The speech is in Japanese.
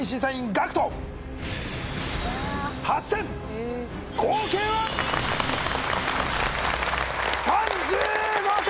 ＧＡＣＫＴ８点合計は３５点